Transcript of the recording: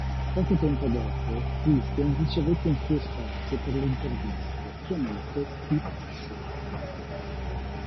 Poco tempo dopo, Christian ricevette un suo spazio per le interviste chiamato "Peep Show".